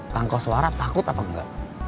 kang kos suara takut apa engga